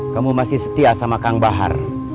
kamu masih setia sama kang bahar